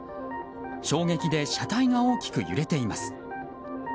衝撃で車体が大きく揺れています。